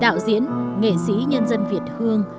đạo diễn nghệ sĩ nhân dân việt hương